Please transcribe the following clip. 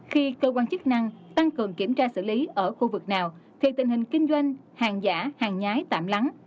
khi cơ quan chức năng tăng cường kiểm tra xử lý ở khu vực nào thì tình hình kinh doanh hàng giả hàng nhái tạm lắng